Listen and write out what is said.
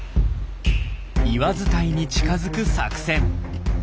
岩伝いに近づく作戦。